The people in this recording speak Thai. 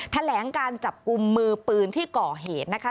แถลงการจับกลุ่มมือปืนที่ก่อเหตุนะคะ